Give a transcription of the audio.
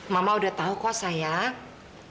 mama udah tahu kok sayang